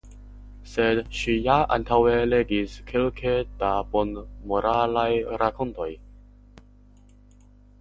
Sed ŝi ja antaŭe legis kelke da bonmoralaj rakontoj.